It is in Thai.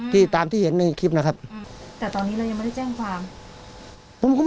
ที่ตามที่เห็นในคลิปนะครับแต่ตอนนี้เรายังไม่ได้แจ้งความผมก็